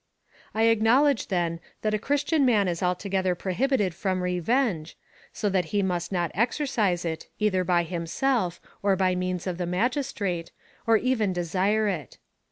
I acknowledge, then, that a Christian man is altogether prohibited from revenge, so that he must not exercise it, either by himself, or by means of the magistrate, nor even desire it.